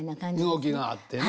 動きがあってね。